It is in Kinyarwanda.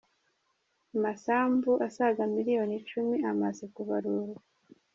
Amasambu asaga miliyoni icumi amaze kubarurwa